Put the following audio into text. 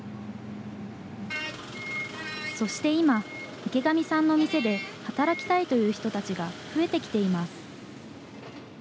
そして今、池上さんの店で働きたいという人たちが増えてきています。